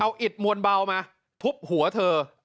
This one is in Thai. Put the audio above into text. เอาอิดมวลเบามาทุบหัวเธอ